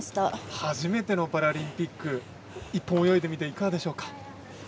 初めてのパラリンピック１本泳いでみていかがでしょうか？